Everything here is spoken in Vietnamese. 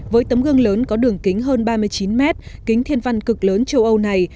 với tấm gương lớn có đường kính hơn ba mươi chín mét kính thiên văn cực lớn châu âu này